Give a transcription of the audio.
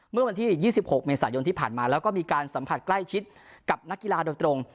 เมื่อวันที่๒๖เมษายนที่ผ่านมาแล้วก็มีการสัมผัสใกล้ชิดกับนักกีฬาโดยตรง